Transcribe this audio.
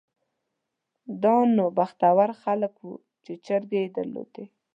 دا به نو بختور خلک وو چې چرګۍ یې درلوده.